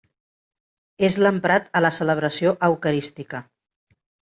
És l'emprat a la celebració eucarística.